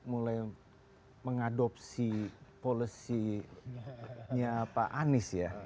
mengadopsi polisi pak anies ya